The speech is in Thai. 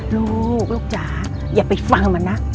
ฮึลูกจ๋าจะไปฟังมันนะ